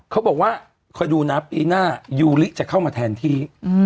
เขาบอกว่าคอยดูนะปีหน้ายูริจะเข้ามาแทนที่